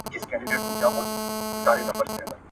• د بد بخته دوه غوايي وه يو وتی نه، بل ننوتی نه.